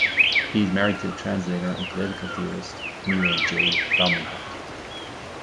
He is married to the translator and political theorist Mera J. Flaumenhaft.